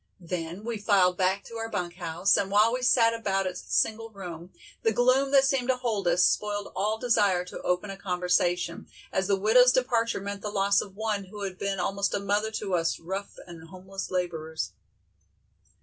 Then we filed back to our bunk house, and while we sat about its single room, the gloom that seemed to hold us, spoiled all desire to open a conversation, as the widow's departure meant the loss of one who had been almost a mother to us rough and homeless laborers.